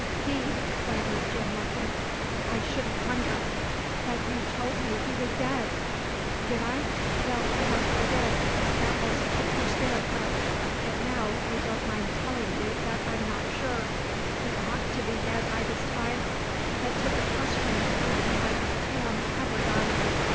"He!" quavered Jim Lucky. "I shouldn't wonder." "But you told me he was dead!" "Did I? Well, perhaps I did. That was to keep your spirits up. But now I don't mind tellin' you that I'm not sure. He ought to be dead by this time; but 'tis a question if the likes of him ever die.